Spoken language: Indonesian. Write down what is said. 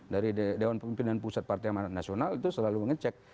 dari dewan pemimpinan pusat partai nasional itu selalu ngecek